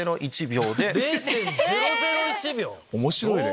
⁉面白いね。